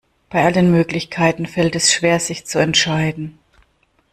Bei all den Möglichkeiten fällt es schwer, sich zu entscheiden.